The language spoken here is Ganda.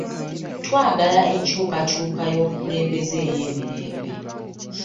Twagala enkyukakyuka y'obukulembeze ey'emirembe.